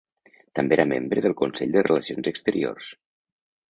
També era membre del Consell de Relacions Exteriors.